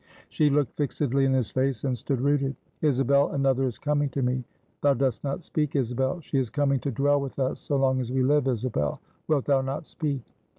She looked fixedly in his face, and stood rooted. "Isabel, another is coming to me. Thou dost not speak, Isabel. She is coming to dwell with us so long as we live, Isabel. Wilt thou not speak?"